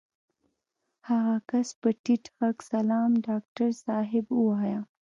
هغه کس په ټيټ غږ سلام ډاکټر صاحب ووايه.